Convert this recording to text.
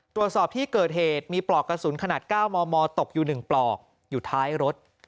ตรวจสอบที่เกิดเหตุมีปลอกกระสุนขนาด๙มมตกอยู่๑ปลอกอยู่ท้ายรถ